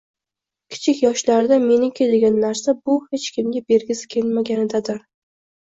Kichik yoshlarida “meniki” degan narsa bu – hech kimga bergisi kelmaganidandir.